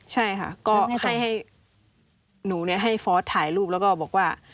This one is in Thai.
ใช่ค่ะก็ให้หนูให้ฟอสถ่ายรูปแล้วก็บอกว่า